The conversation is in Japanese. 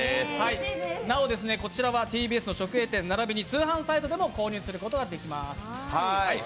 なお、こちらはＴＢＳの直営店、並びに通販サイトでも購入することができます。